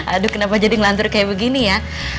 aduh kenapa jadi ngelantur kayak begini ya